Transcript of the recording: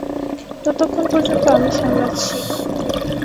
ততক্ষণ পর্যন্ত আমি সামলাচ্ছি।